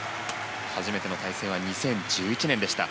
初めての対戦は２０１１年でした。